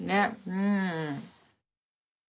うん。